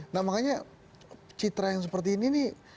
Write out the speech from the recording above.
nah makanya citra yang seperti ini nih